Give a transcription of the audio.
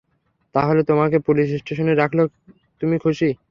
তাহলে তোমাকে পুলিশ স্টেশনে রাখলে তুমি খুশি?